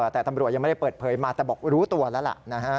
แต่ตำรวจยังไม่ได้เปิดเผยมาแต่บอกรู้ตัวแล้วล่ะนะฮะ